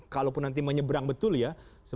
kalaupun nanti menyeberang betul ya